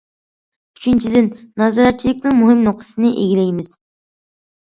ئۈچىنچىدىن، نازارەتچىلىكنىڭ مۇھىم نۇقتىسىنى ئىگىلەيمىز.